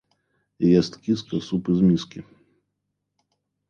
Ест киска суп из миски.